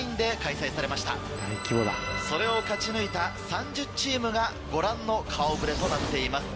それを勝ち抜いた３０チームがご覧の顔触れとなっています。